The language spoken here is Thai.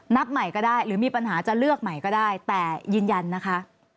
นับใหม่ก็ได้หรือมีปัญหาจะเลือกใหม่ก็ได้แต่ยืนยันนะคะ